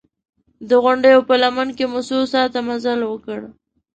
د غونډیو په لمن کې مو څو ساعته مزل وکړ.